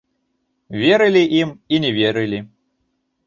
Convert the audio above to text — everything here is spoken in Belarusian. Верылі ім і не верылі.